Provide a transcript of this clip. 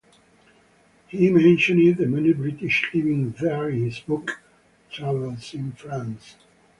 He mentioned the many British living there in his book "Travels in France".